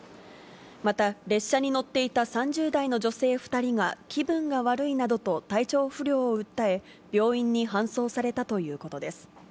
また、列車に乗っていた３０代の女性２人が、気分が悪いなどと体調不良を訴え、病院に搬送されたということです。